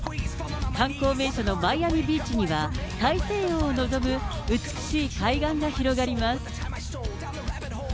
観光名所のマイアミビーチには、大西洋を臨む美しい海岸が広がります。